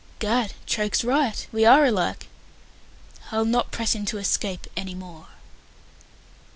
"Gad, Troke's right; we are alike. I'll not press him to escape any more."